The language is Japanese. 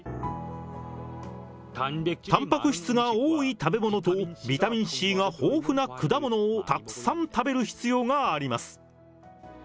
たんぱく質が多い食べ物と、ビタミンＣが豊富な果物をたくさん食べる必要があります。